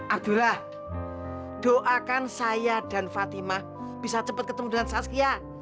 abdullah doakan saya dan fatimah bisa cepat ketemu dengan saskia